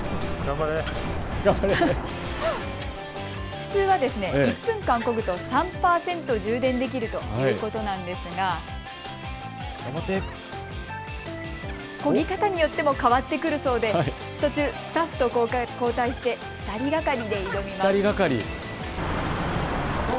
普通は１分間こぐと３％充電できるということなんですがこぎ方によっても変わってくるそうで途中スタッフと、交代して２人がかりで挑みます。